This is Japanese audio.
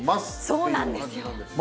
そうなんですよ。